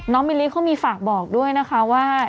มิลลิเขามีฝากบอกด้วยนะคะว่า